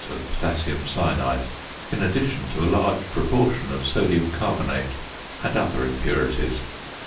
of potassium cyanide in addition to a large proportion of sodium carbonate and other impurities.